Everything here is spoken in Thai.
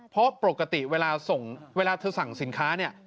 เพราะปกติเวลาส่งเวลาเธอสั่งสินค้าเนี่ย